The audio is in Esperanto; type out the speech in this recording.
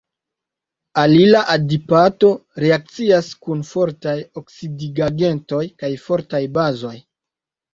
Alila adipato reakcias kun fortaj oksidigagentoj kaj fortaj bazoj.